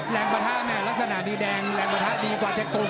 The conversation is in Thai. แรงประทะรักษณะนี้แดงแรงประทะดีกว่าเทศกรุง